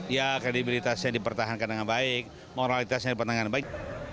ya kredibilitasnya dipertahankan dengan baik moralitasnya dipertahankan dengan baik